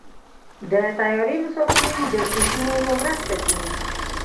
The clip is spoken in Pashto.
د طیارې مسافرین د سیټونو په مرسته کېني.